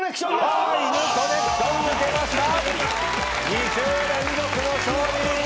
２週連続の勝利！